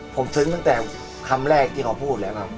ผมซึ้งตั้งแต่คำแรกที่เขาพูดแล้วครับ